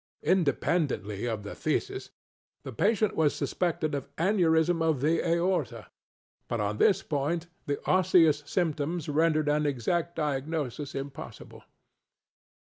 Independently of the phthisis, the patient was suspected of aneurism of the aorta; but on this point the osseous symptoms rendered an exact diagnosis impossible.